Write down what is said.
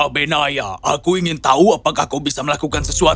benaya aku ingin tahu apakah kau bisa melakukan sesuatu